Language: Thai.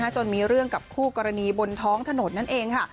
จนมีเรื่องกับคู่กรณีบนท้องถนนนั่นเองค่ะ